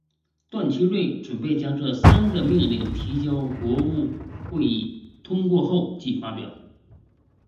段祺瑞准备将这三个命令提交国务会议通过后即发表。